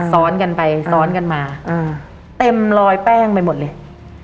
ซ้อนกันไปซ้อนกันมาเต็มรอยแป้งไปหมดเลย